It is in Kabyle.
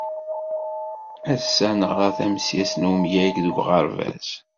Ass-a neɣra tamsirt n umyag deg uɣerbaz.